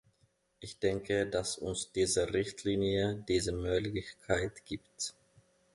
Ich denke, dass uns diese Richtlinie diese Möglichkeit gibt.